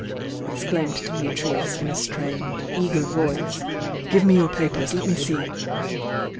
exclaimed Dimitrius, in a strained, eager voice. "Give me your papers! — let me see!"